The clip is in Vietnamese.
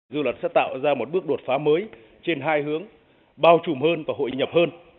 dự luật sẽ tạo ra một bước đột phá mới trên hai hướng bao trùm hơn và hội nhập hơn